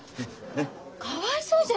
かわいそうじゃない！